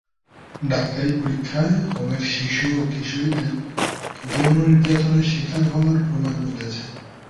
ডাক্তারি পরীক্ষায় হোমের শিশু ও কিশোরীদের যৌন নির্যাতনের শিকার হওয়ার প্রমাণ মিলেছে।